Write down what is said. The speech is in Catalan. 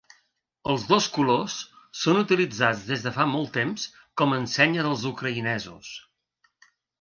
Els dos colors són utilitzats des de fa molt temps com a ensenya dels ucraïnesos.